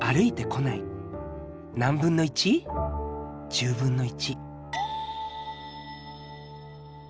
１０分の１。